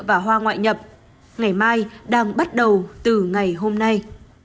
và hoa ngoại nhập ngày mai đang bắt đầu từ ngày hôm nay